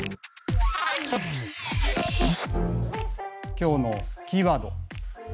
今日のキーワード